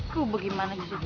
tuh bagaimana jadi